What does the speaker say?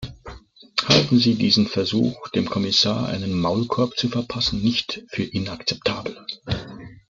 Halten Sie diesen Versuch, dem Kommissar einen Maulkorb zu verpassen, nicht für inakzeptabel?